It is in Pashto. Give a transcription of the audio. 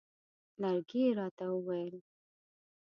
لرګی یې راته وویل.